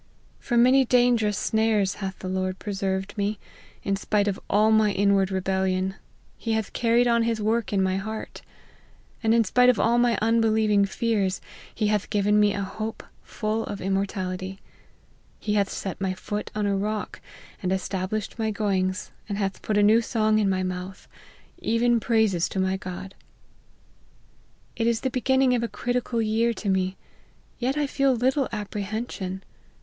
From many dangerous snares hath the Lord preserved me : in spite of all my inward rebellion, he hath carried on his work in my heart ; and in spite of all my unbelieving fears, he hath given me a hope full of immortality ;' he hath set my foot on a rock, and established my goings, and hath put a new song in my mouth, even praises to my God.' It is the beginning of a critical year to me : yet I feel little apprehension.